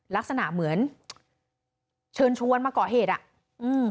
ลักษณะเหมือนเชิญชวนมาก่อเหตุท้าทายแบบนี้